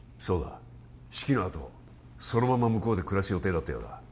そうだ式のあとそのまま向こうで暮らす予定だったようだ